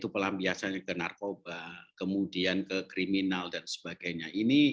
pelampiasannya ke narkoba kemudian ke kriminal dan sebagainya